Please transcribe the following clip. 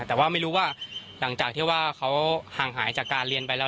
แต่ว่าไม่รู้ว่าหลังจากที่ว่าเขาห่างหายจากการเรียนไปแล้ว